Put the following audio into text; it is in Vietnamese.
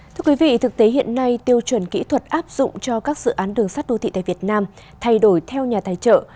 thưa quý vị thực tế hiện nay tiêu chuẩn kỹ thuật áp dụng cho các dự án đường sắt đô thị tại việt nam thay đổi theo nhà tài trợ